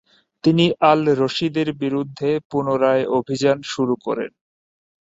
তিনি আল রশিদের বিরুদ্ধে পুনরায় অভিযান শুরু করেন।